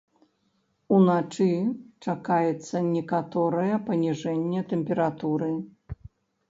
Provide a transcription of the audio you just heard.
Уначы чакаецца некаторае паніжэнне тэмпературы.